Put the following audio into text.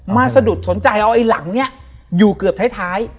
สะดุดสนใจเอาไอ้หลังนี้อยู่เกือบท้าย